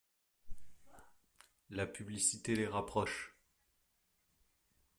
La publicité les rapproche.